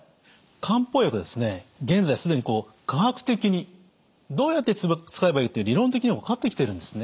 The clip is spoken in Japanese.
漢方薬は現在既に科学的にどうやって使えばいいって理論的には分かってきているんですね。